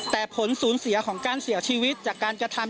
แต่ผลสูญเสียของการเสียชีวิตจากการกระทำ